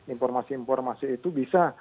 informasi informasi itu bisa